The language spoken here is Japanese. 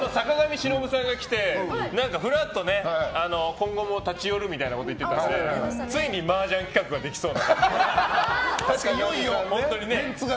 昨日坂上忍さんが来てフラッと今後も立ち寄るみたいなこと言ってたので、ついにマージャン企画ができそうな。